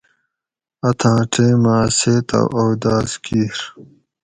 اتھاۤں ٹیمہ اۤ سیتہۤ اوداۤس کِیر